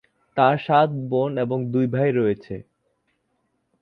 তার সাত বোন এবং দুই ভাই রয়েছে।